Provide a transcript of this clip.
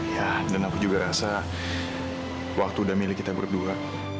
ya dan aku juga rasa waktu udah milih kita berdua